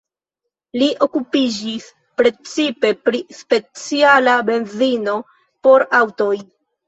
Li okupiĝis precipe pri speciala benzino por aŭtoj.